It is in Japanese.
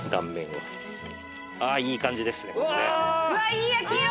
いい焼き色！